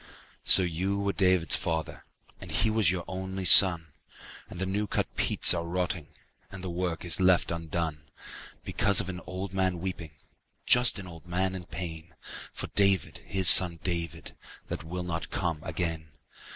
lO you were David's father, And he was your only son, And the new cut peats are rotting And the work is left undone. Because of an old man weeping, Just an old man in pain. For David, his son David, That will not come again.